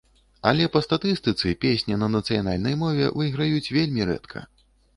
Але па статыстыцы песні на нацыянальнай мове выйграюць вельмі рэдка.